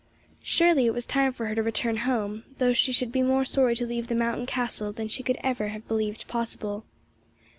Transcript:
Surely it was time for her to return home, though she should be more sorry to leave the mountain castle than she could ever have believed possible.